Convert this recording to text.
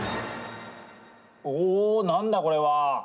おなんだこれは。